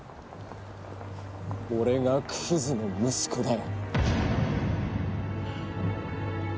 俺がクズの息子だよ。